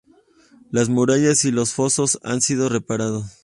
Las murallas y los fosos han sido reparados.